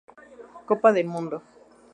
Copa del mundo, Cto.